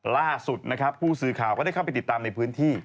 ล่าสุดนะครับผู้สื่อข่าวก็ได้เข้าไปติดตามในพื้นที่